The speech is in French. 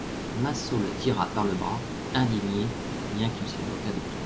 Massot le tira par le bras, indigné, bien qu'il se moquât de tout.